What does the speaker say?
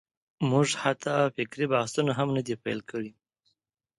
موږ حتی فکري بحثونه هم نه دي پېل کړي.